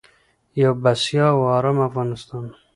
یو بسیا او ارام افغانستان.